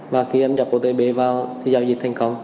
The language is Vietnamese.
và khi em nhập otb vào thì giao dịch thành công